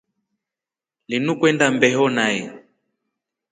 Lindu kwenda mbeo nai.